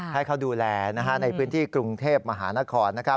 ให้เขาดูแลในพื้นที่กรุงเทพมหานคร